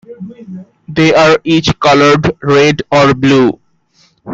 They are each coloured red or blue.